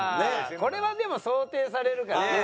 これはでも想定されるからね。